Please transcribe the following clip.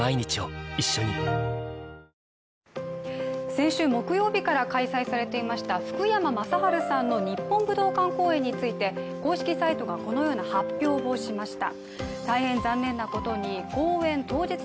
先週木曜日から開催されていました福山雅治さんの日本武道館公演について、公式サイトがこのような発表をしました。